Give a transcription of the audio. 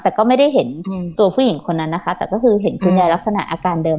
แต่ก็ไม่ได้เห็นตัวผู้หญิงคนนั้นนะคะแต่ก็คือเห็นคุณยายลักษณะอาการเดิม